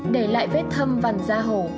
để lại vết thâm vằn da hổ